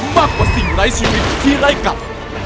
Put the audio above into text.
มากกว่าสิ่งไร้ชีวิตที่ไล่กัด